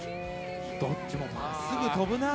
どっちも真っすぐ飛ぶな。